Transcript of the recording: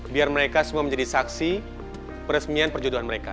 biar mereka semua menjadi saksi peresmian perjodohan mereka